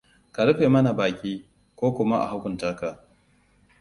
Ka rufe mana baki, ko kuma a hukunta ka.